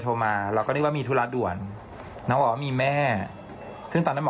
โทรมาเราก็นึกว่ามีธุระด่วนน้องบอกว่ามีแม่ซึ่งตอนนั้นหมอ